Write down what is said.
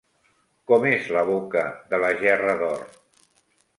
Com és la boca de la gerra d'or?